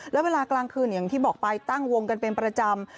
แล้วเวลากลางคืนอย่างที่บอกไปตั้งวงกันเป็นประจำ